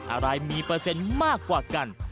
อะไรมีเปอร์เซ็นต์มากกว่ากัน